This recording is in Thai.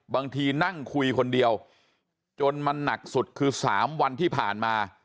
บางทีนั่งคุยคนเดียวจนมันหนักสุดคือ๓วันที่ผ่านมา